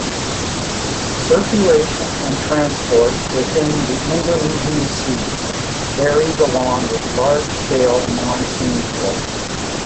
Circulation and transport within the Indonesian Seas varies along with large-scale monsoon flow.